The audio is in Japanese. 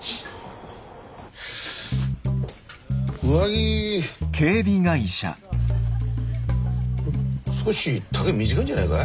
上着少し丈短いんじゃないかい？